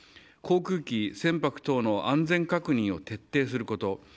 航空機、船舶等の安全確認を徹底すること